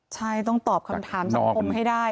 ใช่ต้องตอบคำถามสังคมให้ได้